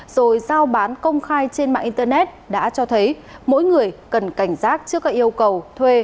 rồi giao bán công khai trên mạng internet đã cho thấy mỗi người cần cảnh giác trước các yêu cầu thuê